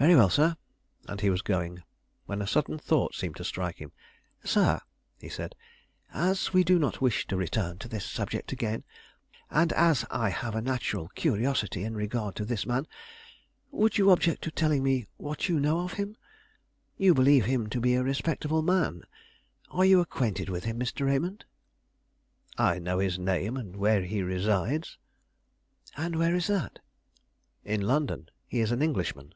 "Very well, sir"; and he was going, when a sudden thought seemed to strike him. "Sir," he said, "as we do not wish to return to this subject again, and as I have a natural curiosity in regard to this man, would you object to telling me what you know of him? You believe him to be a respectable man; are you acquainted with him, Mr. Raymond?" "I know his name, and where he resides." "And where is that?" "In London; he is an Englishman."